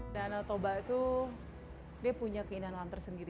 danau toba itu dia punya keinginan lantar sendiri